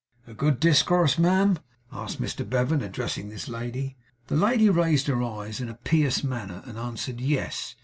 'A good discourse, ma'am?' asked Mr Bevan, addressing this lady. The lady raised her eyes in a pious manner, and answered 'Yes.